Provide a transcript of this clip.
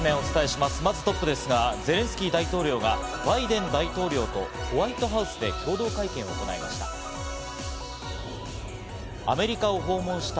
まずトップですが、ゼレンスキー大統領がバイデン大統領とホワイトハウスで共同会見を行いました。